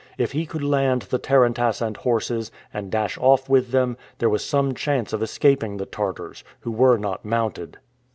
If he could land the tarantass and horses, and dash off with them, there was some chance of escaping the Tartars, who were not mounted.